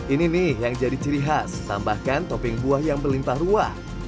ini nih yang jadi ciri khas tambahkan topping buah yang berlimpah ruah